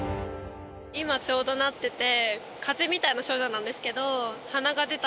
今、ちょうどなってて。